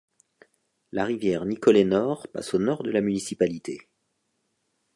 La rivière Nicolet Nord passe au nord de la municipalité.